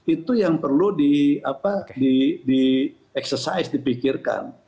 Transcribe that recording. itu yang perlu di exercise dipikirkan